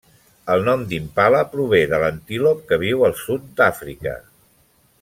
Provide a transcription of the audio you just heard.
El nom d'Impala prové de l'antílop que viu al sud d'Àfrica.